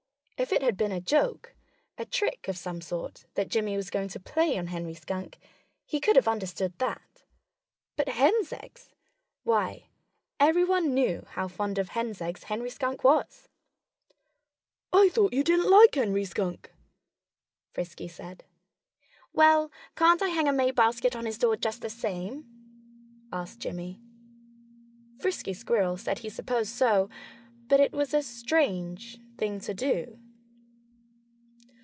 If it had been a joke a trick of some sort that Jimmy was going to play on Henry Skunk, he could have understood that. But hens' eggs! Why, everyone knew how fond of hens' eggs Henry Skunk was! "I thought you didn't like Henry Skunk," Frisky said. "Well, can't I hang a May basket on his door just the same?" asked Jimmy. Frisky Squirrel said he supposed so but it was a strange thing to do.